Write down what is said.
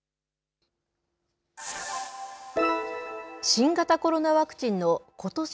新型コロナワクチンのことし